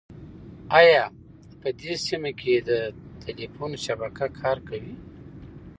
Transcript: ایا په دې سیمه کې د تېلیفون شبکه کار کوي؟